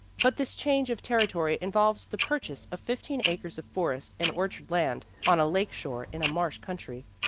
" 'But this change of territory involves the pur ' chase of fifteen acres of forest and orchard land, on a lake shore in a marsh country.